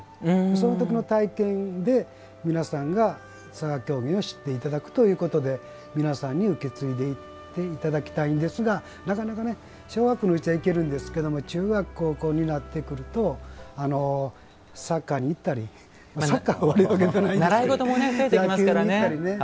その時の体験で皆さんが、嵯峨狂言を知っていただくということで皆さんに受け継いでいっていただきたいんですがなかなか、小学校のうちはいけるんですけど中学、高校になってくるとサッカーに行ったり野球に行ったりね。